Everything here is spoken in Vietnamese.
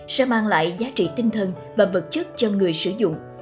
sẽ mang lại giá trị tinh thần và vật chất cho người sử dụng